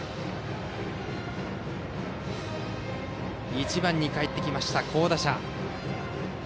１番にかえってきました、好打者。